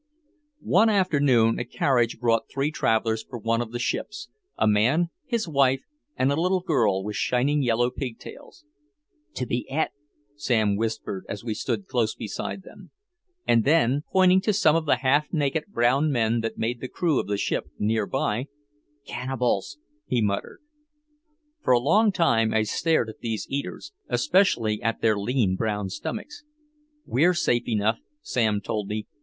One afternoon a carriage brought three travelers for one of the ships, a man, his wife and a little girl with shining yellow pig tails. "To be et," Sam whispered as we stood close beside them. And then, pointing to some of the half naked brown men that made the crew of the ship near by "cannibals," he muttered. For a long time I stared at these eaters, especially at their lean brown stomachs. "We're safe enough," Sam told me.